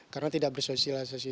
karena tidak bersosialisasi